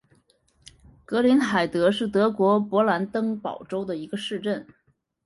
格林海德是德国勃兰登堡州的一个市镇。